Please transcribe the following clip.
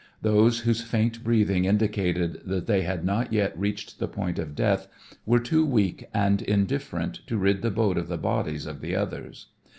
Those whose faint breathing indicated that they had not yet reached the point of death were too weak and indifferent to rid the boat of the bodies of the others.